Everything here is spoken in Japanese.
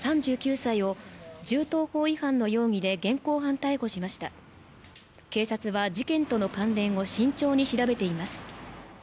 ３９歳を銃刀法違反の容疑で現行犯逮捕しました警察は事件との関連を慎重に調べています